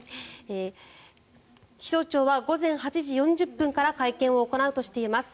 気象庁は午前８時４０分から会見を行うとしています。